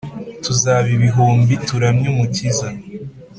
Tuzaba ibihumbi turamye umukiza